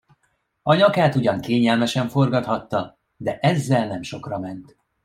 A nyakát ugyan kényelmesen forgathatta, de ezzel nem sokra ment.